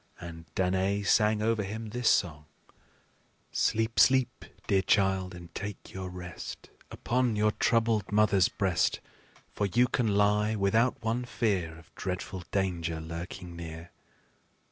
And Danaë sang over him this song: "Sleep, sleep, dear child, and take your rest Upon your troubled mother's breast; For you can lie without one fear Of dreadful danger lurking near.